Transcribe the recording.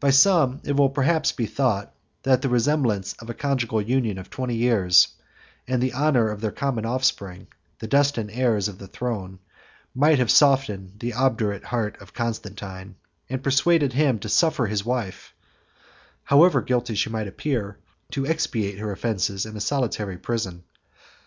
24 By some it will perhaps be thought, that the remembrance of a conjugal union of twenty years, and the honor of their common offspring, the destined heirs of the throne, might have softened the obdurate heart of Constantine, and persuaded him to suffer his wife, however guilty she might appear, to expiate her offences in a solitary prison.